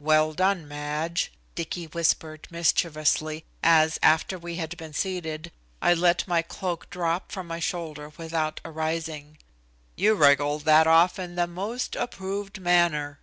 "Well done, Madge," Dicky whispered mischievously, as, after we had been seated, I let my cloak drop from my shoulders without arising. "You wriggled that off in the most approved manner."